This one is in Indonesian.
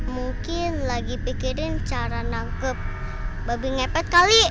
mungkin lagi pikirin cara nangkep babi ngepet kali